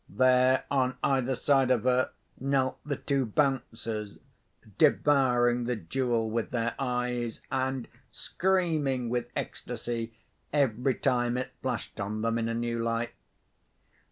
There, on either side of her, knelt the two Bouncers, devouring the jewel with their eyes, and screaming with ecstasy every time it flashed on them in a new light.